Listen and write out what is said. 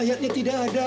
pak asgur bicarakan benar